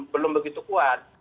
belum begitu kuat